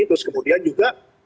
terus kemudian juga